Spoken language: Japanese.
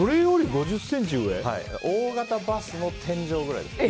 大型バスの天井ぐらいですね。